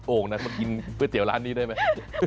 ่งนะมากินก๋วยเตี๋ยวร้านนี้ได้ไหม